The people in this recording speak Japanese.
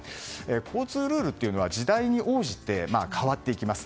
交通ルールというのは時代に応じて変わっていきます。